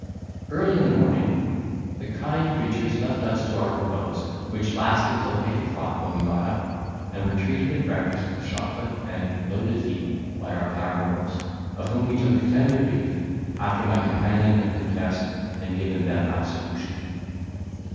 Early in the morning, the kind creatures left us to our repose, which lasted till eight o'clock when we got up, and were treated at breakfast with chocolate and l'eau de vie by our paramours, of whom we took a tender leave, after my companion had confessed and given them absolution.